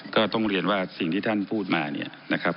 ก็ต้องเรียนว่าสิ่งที่ท่านพูดมาเนี่ยนะครับ